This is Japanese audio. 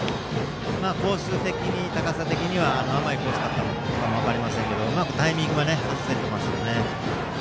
コース的に、高さ的に甘いコースだったかもしれませんがうまくタイミングを外せていますよね。